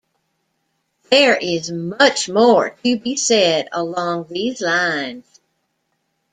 There is much more to be said along these lines.